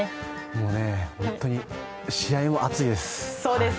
もうね、本当に試合も熱いです。